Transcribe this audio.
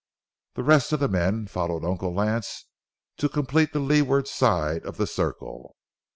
The rest of the men followed Uncle Lance to complete the leeward side of the circle.